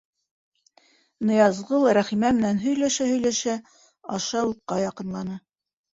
Ныязғол, Рәхимә менән һөйләшә-һөйләшә, ашъяулыҡҡа яҡынланы.